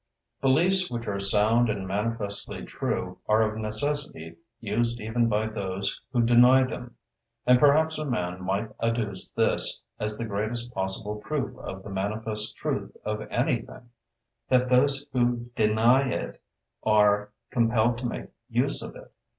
Beliefs which are sound and manifestly true are of necessity used even by those who deny them. And perhaps a man might adduce this as the greatest possible proof of the manifest truth of anything, that those who deny it are compelled to make use of it.